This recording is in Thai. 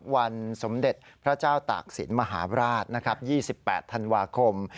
วันสมเด็จพระเจ้าตากศิลป์มหาวราชยี่สิบแปดธันวาคม